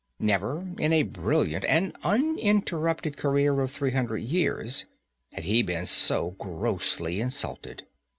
Never, in a brilliant and uninterrupted career of three hundred years, had he been so grossly insulted.